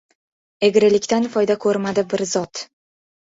Egrilikdan foyda ko‘rmadi bir zot.